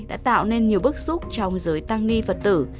đã tạo nên nhiều bức xúc trong giới tăng ni phật tử